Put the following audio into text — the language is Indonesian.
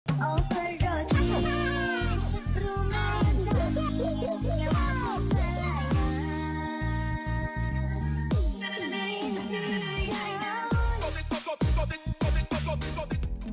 oh pergosi rumah pergosi nyelamun pelan pelan